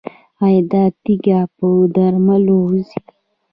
ایا دا تیږه په درملو وځي؟